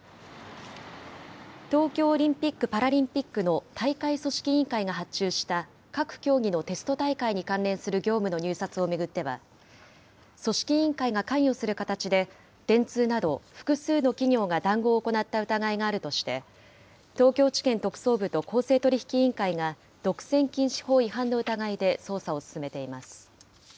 東京オリンピック・パラリンピックの大会組織委員会が発注した、各競技のテスト大会に関連する業務の入札を巡っては、組織委員会が関与する形で、電通など、複数の企業が談合を行った疑いがあるとして、東京地検特捜部と公正取引委員会が、独占禁止法違反の疑いで捜査を進めています。